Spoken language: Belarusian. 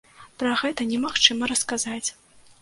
Пра гэта немагчыма расказаць!